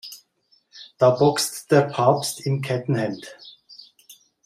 Da boxt der Papst im Kettenhemd.